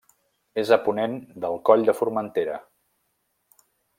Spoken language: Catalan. És a ponent del Coll de Formentera.